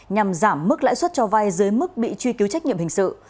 nhằm giảm mức lãi suất cho vai dưới mức bị truy cứu trách nhiệm hình sự